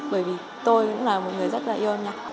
bởi vì tôi cũng là một người rất là yêu nhạc